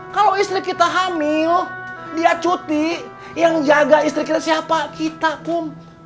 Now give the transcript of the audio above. kalau istri kita hamil dia cuti yang jaga istri kita siapa kita pun